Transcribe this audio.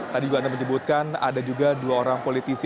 tadi juga anda menyebutkan ada juga dua orang politisi